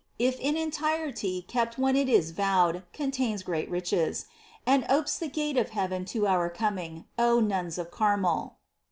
If in entirety kept when it is vowed Contains great riches, And opes the gate of heaven to our coming, O Nuns of Carmel